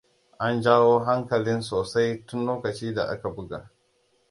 An jawo hankalin sosai tun lokacin da aka buga.